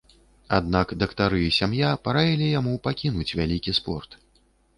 Аднак дактары і сям'я параілі яму пакінуць вялікі спорт.